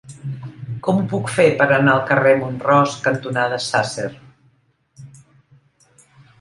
Com ho puc fer per anar al carrer Mont-ros cantonada Sàsser?